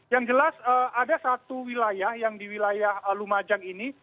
yang jelas ada satu wilayah yang di wilayah lumajang ini